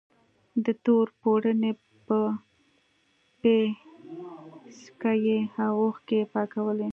د تور پوړني په پيڅکه يې اوښکې پاکولې.